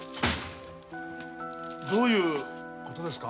どういうことですか？